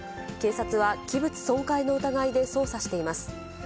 警察は器物損壊の疑いで捜査しています。